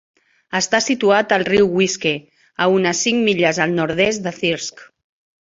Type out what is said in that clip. Està situat al riu Wiske, a unes cinc milles al nord-oest de Thirsk.